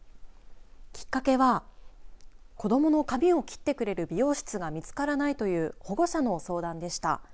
きっかけは子どもの髪を切ってくれる美容室が見つからないという保護者の相談でした。